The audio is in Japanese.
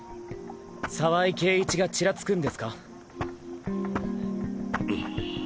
澤井圭一がチラつくんですか？